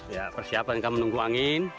ya persiapan kita menunggu angin